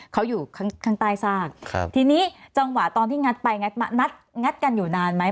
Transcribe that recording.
เขาอยู่ข้างข้างใต้ซากครับทีนี้จังหวะตอนที่งัดไปงัดมางัดงัดกันอยู่นานไหม